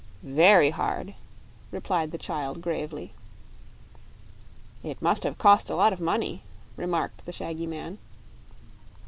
"Very hard," replied the child, gravely. "It must have cost a lot of money," remarked the shaggy man.